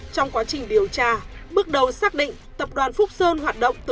trong quá trình điều tra bước đầu xác định